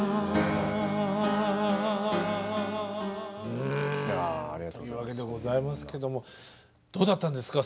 うんというわけでございますけどもどうだったんですか？